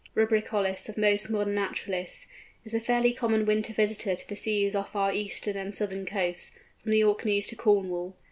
rubricollis_ of most modern naturalists, is a fairly common winter visitor to the seas off our eastern and southern coasts, from the Orkneys to Cornwall.